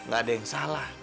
gak ada yang salah